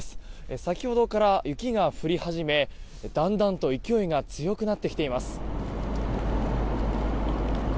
先ほどから雪が降り始めだんだんと勢いが強くなってきています。